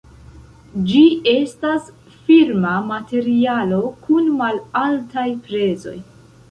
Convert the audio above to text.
Ĝi estas firma materialo kun malaltaj prezoj.